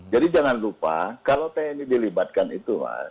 jadi jangan lupa kalau tni dilibatkan itu mas